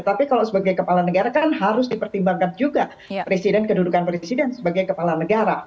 tapi kalau sebagai kepala negara kan harus dipertimbangkan juga presiden kedudukan presiden sebagai kepala negara